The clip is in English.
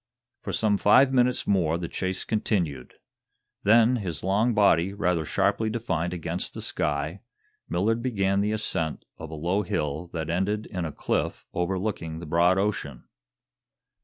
For some five minutes more the chase continued. Then, his long body rather sharply defined against the sky, Millard began the ascent of a low hill that ended in a cliff overlooking the broad ocean.